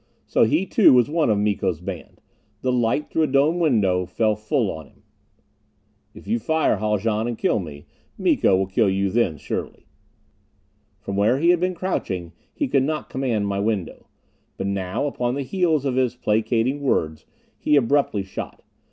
So he too was one of Miko's band! The light through a dome window fell full on him. "If you fire, Haljan, and kill me Miko will kill you then, surely." From where he had been crouching he could not command my window. But now, upon the heels of his placating words, he abruptly shot.